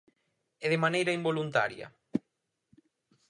E de maneira involuntaria.